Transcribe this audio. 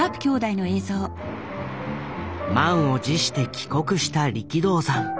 満を持して帰国した力道山。